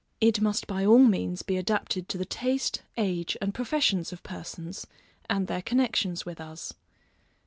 It must by all means be adapted to the taste, age, and professions of persons, and their connexions with us.